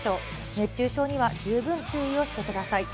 熱中症には十分注意をしてください。